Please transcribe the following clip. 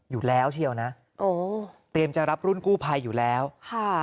อยู่แล้วเชียวนะโอ้ต้องอยู่แล้วฮ่า